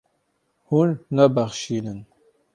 Hûn nabexşînin.